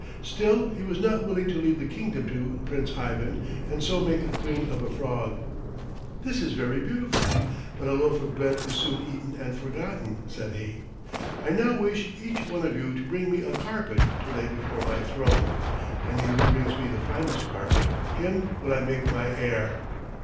Still he was not willing to leave the kingdom to Prince Ivan and so make a queen of a frog. "This is very beautiful, but a loaf of bread is soon eaten and forgotten," said he. "I now wish each one of you to bring me a carpet to lay before my throne, and he who brings me the finest carpet, him will I make my heir."